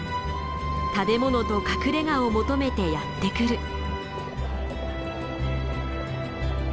食べものと隠れがを求めてやって来る。